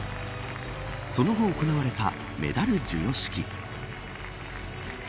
その後、行われたメダル授与式。